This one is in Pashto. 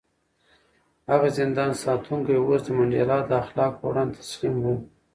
هغه زندان ساتونکی اوس د منډېلا د اخلاقو په وړاندې تسلیم و.